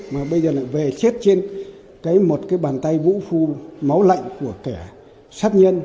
mà bây giờ lại về chết trên một cái bàn tay vũ phu máu lạnh của kẻ sát nhân